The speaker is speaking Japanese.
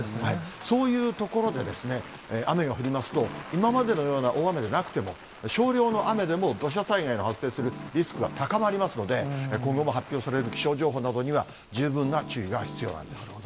そういう所でですね、雨が降りますと、今までのような大雨でなくても、少量の雨でも土砂災害が発生するリスクが高まりますので、今後も発表される気象情報などには、十分な注意が必要なんです。